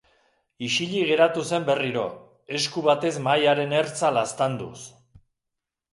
Isilik geratu zen berriro, esku batez mahaiaren ertza laztanduz.